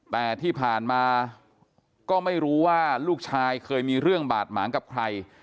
แต่ที่ผ่านมาก็ไม่รู้ว่าลูกชายเคยมีเรื่องบาดหมางกับใคร